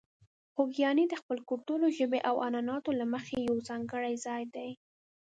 خوږیاڼي د خپل کلتور، ژبې او عنعناتو له مخې یو ځانګړی ځای دی.